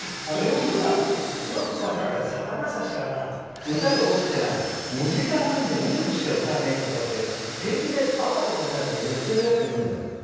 よく、さだまさしは歌が多くて２時間半で２曲しか歌わねえって平気で、会ったこともないのに言ってるやつがいるんだよ。